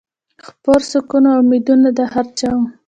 خپور سکون و امیدونه د هر چا وه